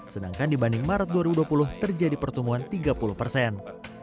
sedangkan dibanding maret dua ribu dua puluh terjadi pertumbuhan tiga puluh persen